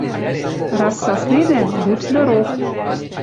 Раз саследӓ — будь здоров! —